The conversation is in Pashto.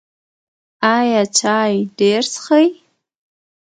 ایا چای ډیر څښئ؟